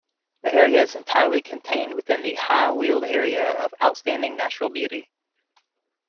The area is entirely contained within the High Weald Area of Outstanding Natural Beauty.